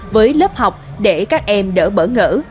với lớp học để các em đỡ bỡ ngỡ